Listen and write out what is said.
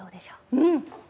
うん！